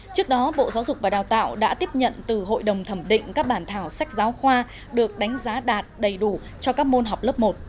trước đó bộ giáo dục và đào tạo đã tiếp nhận từ hội đồng thẩm định các bản thảo sách giáo khoa được đánh giá đạt đầy đủ cho các môn học lớp một